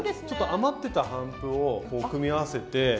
ちょっと余ってた帆布を組み合わせて。